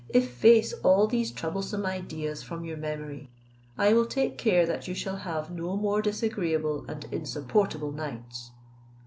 Efface all these troublesome ideas from your memory; I will take care that you shall have no more disagreeable and insupportable nights."